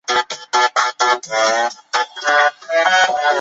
马哈茂德帕夏及其兄弟的祖父是或者。